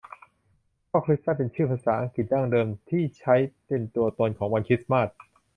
คุณพ่อคริสมาสต์เป็นชื่อภาษาอังกฤษดั้งเดิมที่ใช้เป็นตัวตนของวันคริสต์มาส